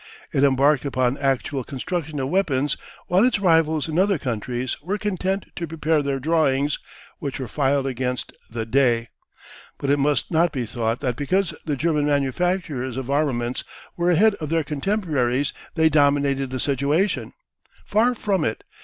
It embarked upon actual construction of weapons while its rivals in other countries were content to prepare their drawings, which were filed against "The Day." But it must not be thought that because the German manufacturers of armaments were ahead of their contemporaries they dominated the situation. Far from it.